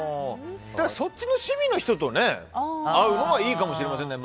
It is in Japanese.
そっちの趣味の人と会うのがいいかもしれませんね。